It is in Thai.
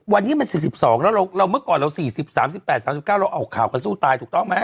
วันนี้มัน๔๒แล้วเมื่อก่อนเรา๔๐๓๘๓๙เราเอาข่าวกันสู้ตายถูกต้องไหม